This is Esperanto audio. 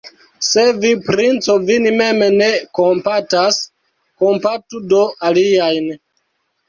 Se vi, princo, vin mem ne kompatas, kompatu do aliajn!